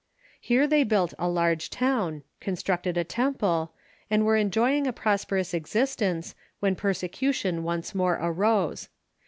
Here they built a large town, con structed a temple, and were enjoying a prosperous existence, when persecution once more arose.